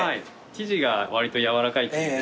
生地がわりと軟らかい生地で。